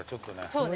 そうね。